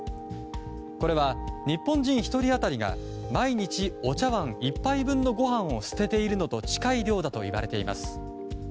これは日本人１人当たりが毎日お茶わん１杯分のご飯を捨てているのと近い量だといわれています。